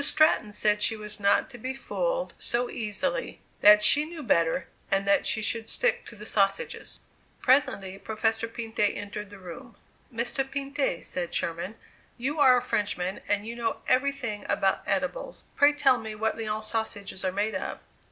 Stratton said she was not to be fooled so easily that she knew better, and that she should stick to the sausages. Presently Professor Pinte entered the room. "Mr. Pinte," said Sherman, "you are a Frenchman, and know every thing about edibles; pray tell me what Lyons sausages are made of."